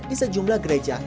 di sejumlah gereja